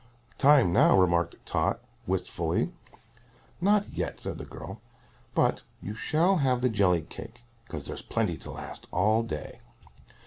"Time now," remarked Tot, wistfully. "Not yet," said the girl, "but you shall have the jelly cake, 'cause there's plenty to last all day."